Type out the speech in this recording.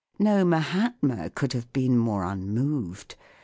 No Mahatma could have been more unmoved.